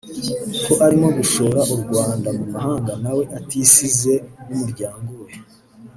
ko arimo gushora u Rwanda mu manga nawe atisize n’umuryango we